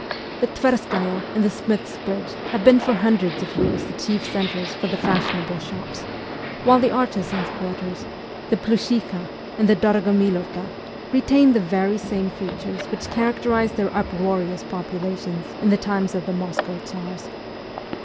The Tverskaya and the Smiths' Bridge have been for hun dreds of years the chief centres for the fashionable shops ; while the artisans' quarters, the Pluschikha and the Dorogomilovka, retain the very same features which characterized their uproarious populations in the times of the Moscow Tsars.